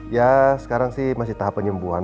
ya sekarang sih masih tahap penyembuhan